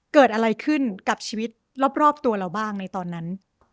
เกิดอะไรขึ้นกับชีวิตรอบตัวเราบ้างในตอนนั้น